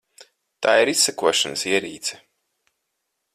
Tā ir izsekošanas ierīce.